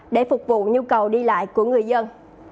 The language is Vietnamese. để phục vụ nhu cầu đi lại của người dân